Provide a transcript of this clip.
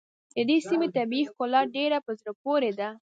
د دې سيمې طبیعي ښکلا ډېره په زړه پورې ده.